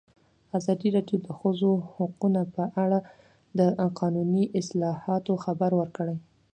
ازادي راډیو د د ښځو حقونه په اړه د قانوني اصلاحاتو خبر ورکړی.